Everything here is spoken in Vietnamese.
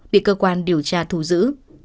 bị cơ quan điều tra thù giữ